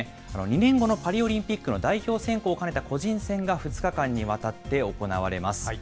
２年後のパリオリンピックの代表選考を兼ねた個人戦が２日間にわたって行われます。